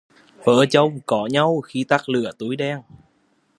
Vợ chồng có nhau khi tắt lửa túi đèn